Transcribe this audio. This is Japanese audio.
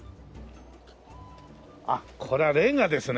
あっこれはレンガですね。